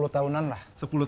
sepuluh tahunan lah